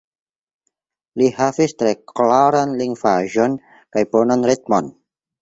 Li havis tre klaran lingvaĵon kaj bonan ritmon.